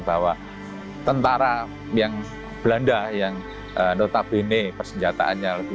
bahwa tentara yang belanda yang notabene persenjataannya lebih